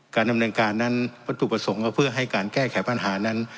การดำเนินการนั้นวัตถุประสงค์ก็เพื่อให้การแก้ไขปัญหานั้น